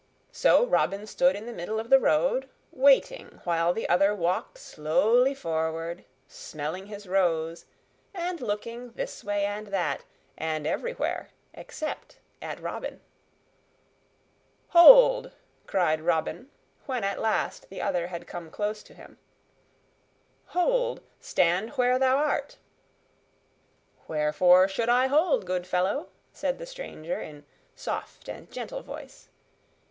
So Robin stood in the middle of the road, waiting while the other walked slowly forward, smelling his rose, and looking this way and that, and everywhere except at Robin. "Hold!" cried Robin, when at last the other had come close to him. "Hold! Stand where thou art!" "Wherefore should I hold, good fellow?" said the stranger in soft and gentle voice.